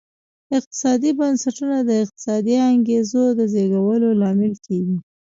اقتصادي بنسټونه د اقتصادي انګېزو د زېږولو لامل کېږي.